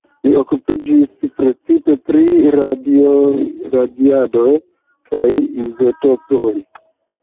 Li okupiĝis precipe pri radiadoj kaj izotopoj.